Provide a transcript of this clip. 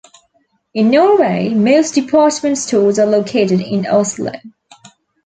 In Norway, most department stores are located in Oslo.